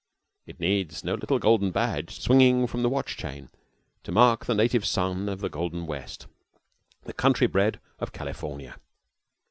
It needs no little golden badge swinging from the watch chain to mark the native son of the golden West, the country bred of California.